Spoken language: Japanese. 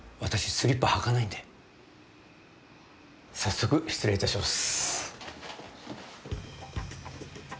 スリッパ履かないんで早速失礼いたします